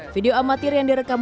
video amatir yang direkam